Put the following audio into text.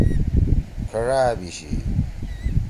کھڙا أبیشی۔